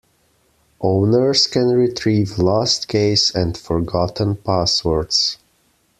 Owners can retrieve lost keys and forgotten passwords.